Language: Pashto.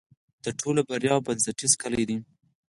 د ټولو بریاوو بنسټیزه کلي ده.